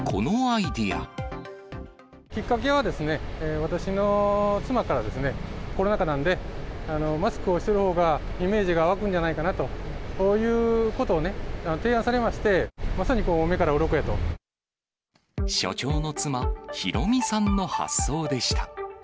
きっかけは、私の妻からですね、コロナ禍なんで、マスクをしてるほうが、イメージが湧くんじゃないかなということを提案されまして、署長の妻、博美さんの発想でした。